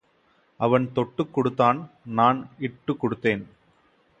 அவன் தொட்டுக் கொடுத்தான் நான் இட்டுக் கொடுத்தேன்.